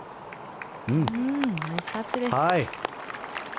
ナイスタッチです。